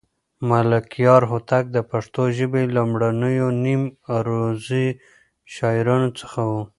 ملکیار هوتک د پښتو ژبې د لومړنيو نیم عروضي شاعرانو څخه و.